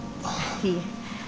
いえ。